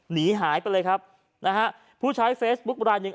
หนีหายไปเลยครับนะฮะผู้ใช้เฟซบุ๊คบรายหนึ่ง